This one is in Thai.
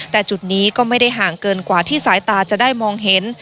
แต่จุดนี้ก็ไม่ได้ห่างเกินกว่าที่สายตาจะได้มองเห็น